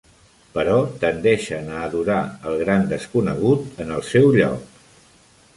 Però tendeixen a adorar "El gran desconegut" en el seu lloc.